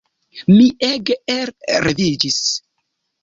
Mi ege elreviĝis.